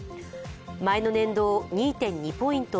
前の年度を２．２ポイント